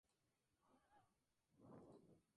En esta isla se conformó el Grupo Contadora.